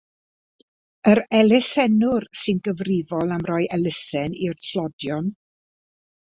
Yr elusennwr sy'n gyfrifol am roi elusen i'r tlodion.